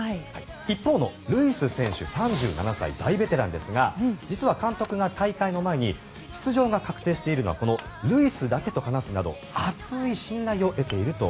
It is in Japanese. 一方のルイス選手３７歳、大ベテランですが実は監督が大会の前に出場が確定しているのはこのルイスだけと話すなど厚い信頼を得ていると。